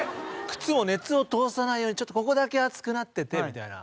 靴も熱を通さないようにちょっとここだけ厚くなっててみたいな。